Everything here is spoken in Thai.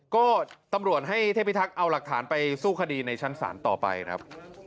ก็ตำรวจให้เทพิทักษ์เอาหลักฐานไปสู้คดีในชั้นศาลต่อไปครับ